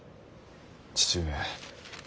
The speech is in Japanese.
父上。